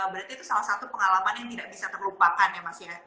berarti itu salah satu pengalaman yang tidak bisa terlupakan ya mas ya